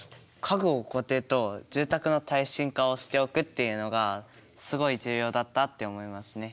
家具を固定と住宅の耐震化をしておくっていうのがすごい重要だったって思いますね。